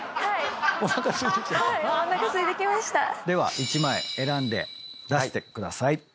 では１枚選んで出してください。